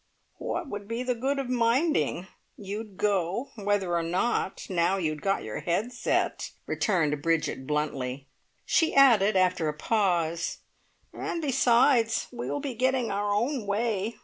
"What would be the good of minding? You'd go, whether or not, now you'd got your head set!" returned Bridget bluntly. She added after a pause, "And besides, we'll be getting our own way.